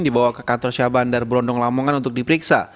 dibawa ke kantor syah bandar berondong lamongan untuk diperiksa